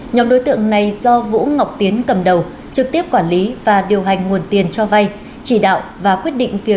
nhóm đối tượng này do vũ ngọc tiến cầm đầu trực tiếp quản lý và điều hành nguồn tiền cho vai